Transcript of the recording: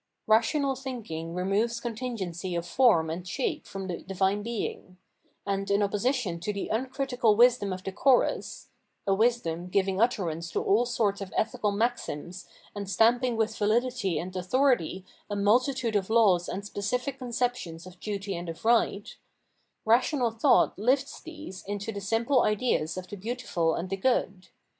* Eational thinking removes contingency of form and shape from the divine Being; and, in opposition to the imcritieal wisdom of the chorus — a wisdom, giving utterance to all sorts of ethical maxims and stamping with validity and authority a multitude of laws and specific conceptions of duty and of right — rational thought Hfts these into the simple Ideas of the Beautiful and the Good.